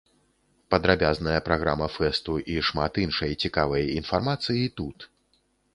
Падрабязная праграма фэсту і шмат іншай цікавай інфармацыі тут.